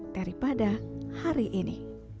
daripada hari ini